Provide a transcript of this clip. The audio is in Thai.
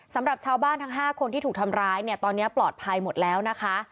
สำหรับชาวบ้านทั้ง๕คนที่ถูกทำร้ายเนี่ยตอนนี้ปลอดภัยหมดแล้วนะคะ